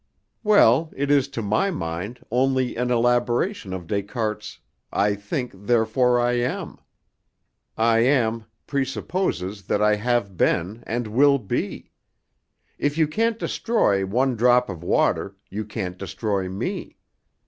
"Well, it is to my mind only an elaboration of Descartes' 'I think, therefore I am.' I am, presupposes that I have been, and will be. If you can't destroy one drop of water, you can't destroy me.